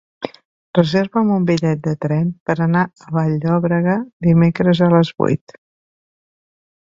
Reserva'm un bitllet de tren per anar a Vall-llobrega dimecres a les vuit.